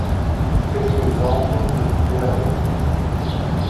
Quelques maisons, dont le presbytère, sont incendiées.